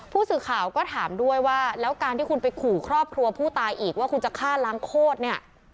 ผู้สื่อข่าวก็ถามด้วยว่าแล้วการที่คุณไปขู่ครอบครัวผู้ตายอีกว่าคุณจะฆ่าล้างโคตรเนี่ย